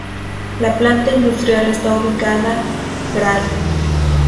La Planta industrial está ubicada Gral.